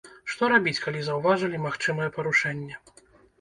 Што рабіць, калі заўважылі, магчымае парушэнне?